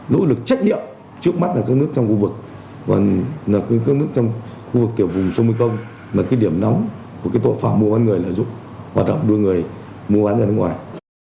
nỗ lực trách nhiệm trước mắt là các nước trong khu vực là các nước trong khu vực kiểu vùng sô minh công là cái điểm nóng của cái tội phạm mua bán người là dụng hoạt động đưa người mua bán ra nước ngoài